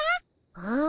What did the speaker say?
うん。